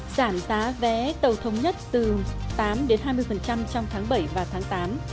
giảm tá vé tầu thống nhất từ tám hai mươi trong tháng bảy và tháng tám